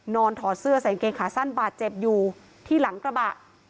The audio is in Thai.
ถอดเสื้อใส่กางเกงขาสั้นบาดเจ็บอยู่ที่หลังกระบะ